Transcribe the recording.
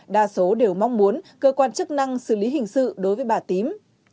đa số đều mong muốn cơ quan chức năng xử lý hình sự đối với bà tím